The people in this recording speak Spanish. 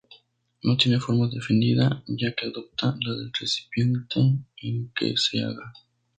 No tiene forma definida, ya que adopta la del recipiente en que se haga.